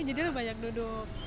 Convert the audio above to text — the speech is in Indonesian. lebih banyak duduk